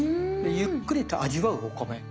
ゆっくりと味わうお米。